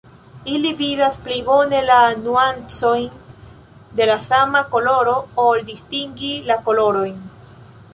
Ili vidas pli bone la nuancojn de la sama koloro, ol distingi la kolorojn.